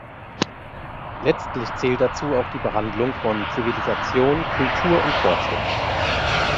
Letztlich zählt dazu auch die Behandlung von Zivilisation, Kultur und Fortschritt.